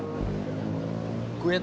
lu mau bilang keren